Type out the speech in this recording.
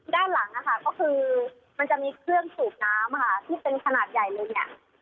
ด้านหลังนะคะก็คือมันจะมีเครื่องสูบน้ำค่ะที่เป็นขนาดใหญ่เลยเนี่ย